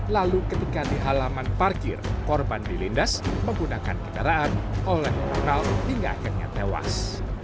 lalu ketika di halaman parkir korban dilindas menggunakan kendaraan oleh ronald hingga akhirnya tewas